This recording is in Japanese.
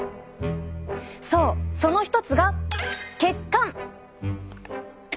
そうその一つが血管。